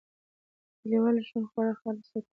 د کلیوالي ژوند خواړه خالص او طبیعي وي.